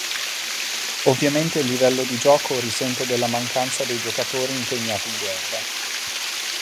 Ovviamente il livello di gioco risente della mancanza dei giocatori impegnati in guerra.